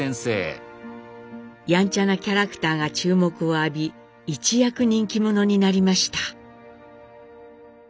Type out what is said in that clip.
やんちゃなキャラクターが注目を浴び一躍人気者になりました。